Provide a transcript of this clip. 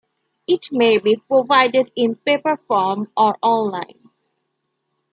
It may be provided in paper form or online.